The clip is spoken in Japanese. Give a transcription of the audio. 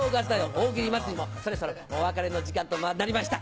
大喜利まつり』もそろそろお別れの時間となりました。